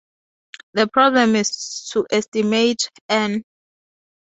The problem is to estimate "N".